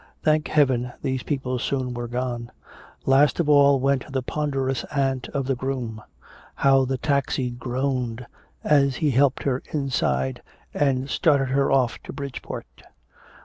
Thank Heaven these people soon were gone. Last of all went the ponderous aunt of the groom. How the taxi groaned as he helped her inside and started her off to Bridgeport.